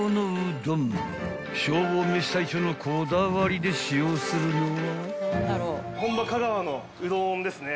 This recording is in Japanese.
［消防めし隊長のこだわりで使用するのは］